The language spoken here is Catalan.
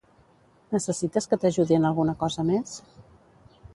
Necessites que t'ajudi en alguna cosa més?